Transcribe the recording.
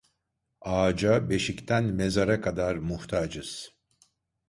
Ağaca beşikten mezara kadar muhtacız.